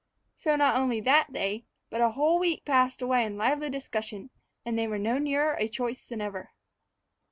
So not only that day, but a whole week passed away in lively discussion, and they were no nearer a choice than ever.